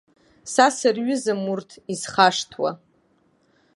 Са сырҩызам урҭ, изхашҭуа.